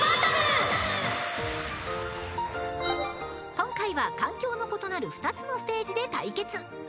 ［今回は環境の異なる２つのステージで対決］